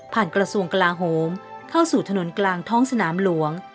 กระทรวงกลาโฮมเข้าสู่ถนนกลางท้องสนามหลวง